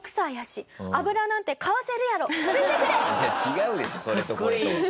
いや違うでしょそれとこれとは。